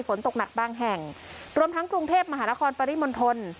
ฝนตกหนักบางแห่งรวมทั้งกรุงเทพมหานครปริมณฑล